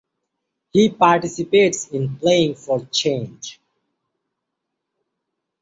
He participates in Playing for Change.